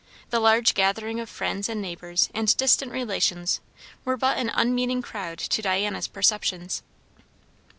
The large gathering of friends and neighbours and distant relations were but an unmeaning crowd to Diana's perceptions.